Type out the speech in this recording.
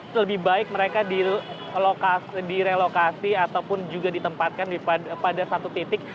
lebih baik mereka direlokasi ataupun juga ditempatkan pada satu titik